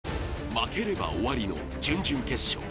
負ければ終わりの準々決勝。